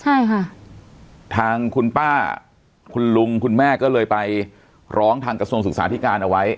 ใช่ค่ะทางคุณป้าคุณลุงคุณแม่ก็เลยไปร้องทางกระทรวงศึกษาธิการเอาไว้